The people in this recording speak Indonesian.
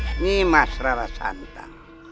ini mas rara santan